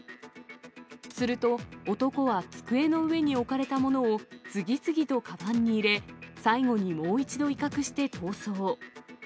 すると、男は机の上に置かれたものを次々とかばんに入れ、最後にもう一度威嚇して逃走。